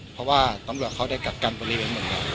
เพราะตำรวจเขาได้กัดกั้นบริเวณหมด